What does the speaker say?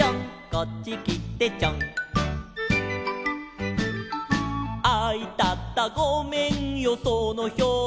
「こっちきてちょん」「あいたたごめんよそのひょうし」